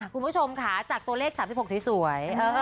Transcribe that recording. คุณผู้ชมค่ะจากตัวเลข๓๖สวย